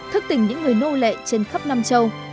thức tình những người nô lệ trên khắp nam châu